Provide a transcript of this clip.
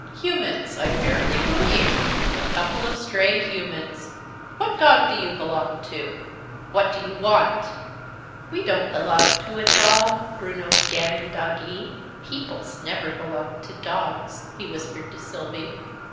"Humans, I verily believe! A couple of stray Humans! What Dog do you belong to? What do you want?" "We don't belong to a Dog!" Bruno began, in Doggee. ("Peoples never belongs to Dogs!" he whispered to Sylvie.)